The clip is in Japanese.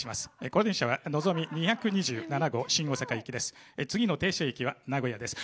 この電車は「のぞみ」２２７号新大阪行きです。